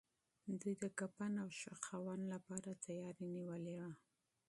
دوی د کفن او دفن لپاره تياری نيولی و.